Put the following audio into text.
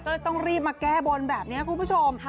ก็เลยต้องรีบมาแก้บนแบบนี้คุณผู้ชม